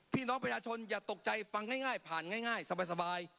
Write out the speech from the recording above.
พี่น้องประชาชนอย่าตกใจฟังง่ายผ่านง่ายสบาย